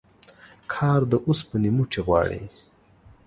کار د اوسپني موټي غواړي